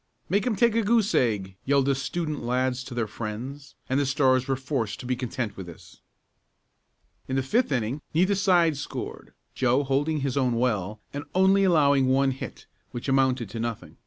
"Make 'em take a goose egg!" yelled the student lads to their friends, and the Stars were forced to be content with this. In the fifth inning neither side scored, Joe holding his own well, and only allowing one hit, which amounted to nothing.